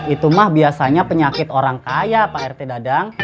itu mah biasanya penyakit orang kaya pak rt dadang